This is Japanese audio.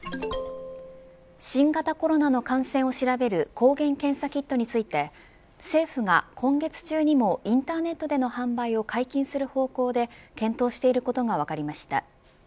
新型コロナの感染を調べる抗原検査キットについて政府が、今月中にもインターネットでの販売を解禁する方向で検討していることが分かりました。